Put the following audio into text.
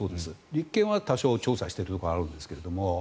立憲は多少調査しているところはあるんですけれども。